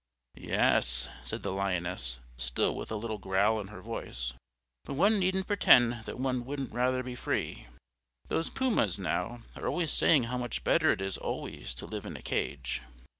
"Yes," said the Lioness, still with a little growl in her voice, "but one needn't pretend that one wouldn't rather be free. Those pumas, now, are always saying how much better it is always to live in a cage."